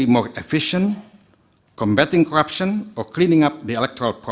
mereka juga bisa dipotretkan